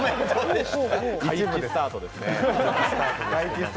怪奇スタートですね。